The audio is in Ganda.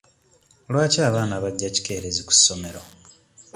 Lwaki abaana bajja kikeerezi ku ssomero?